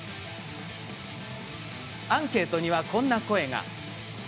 アンケートには、こんな声が。